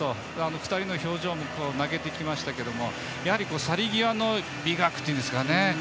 ２人の表情も泣けてきましたけどやはり去り際の美学というんですかね。